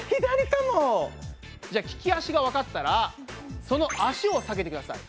じゃ利き足がわかったらその足を下げてください。